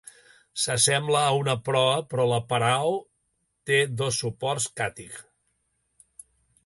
S'assembla a una proa, però la "parao" té dos soports o "katig".